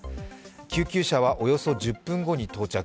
救急車はおよそ１０分後に到着。